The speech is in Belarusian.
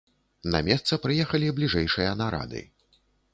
На месца прыехалі бліжэйшыя нарады.